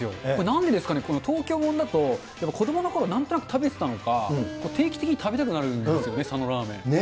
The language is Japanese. なんでですかね、東京もんだと、子どものころ、なんとなく食べてたのか、定期的に食べたくなるんですよね、佐野らーめん。